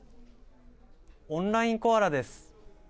オンラインコアラです。